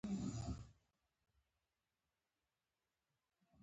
چې د خیبر غزل یې په خپل شرنګېدلي تخیل او تصور.